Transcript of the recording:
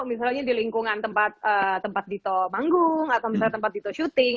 misalnya di lingkungan tempat dito manggung atau misalnya tempat dito shooting